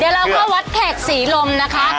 เดี๋ยวเราก็วัดแขกศรีลมนะคะ